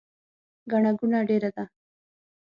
ګڼه ګوڼه ډیره ده